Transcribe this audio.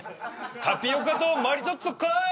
タピオカとマリトッツォかい！